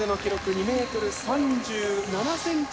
２ｍ３７ｃｍ。